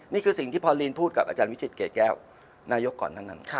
นี่คือสิ่งที่พอลีนพูดกับอาจารย์วิจิตเกรดแก้วนายกก่อนทั้งนั้น